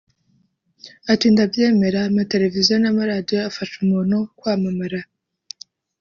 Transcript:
Ati “Ndabyemera amateleviziyo n’ amaradiyo afasha umuntu kwamamara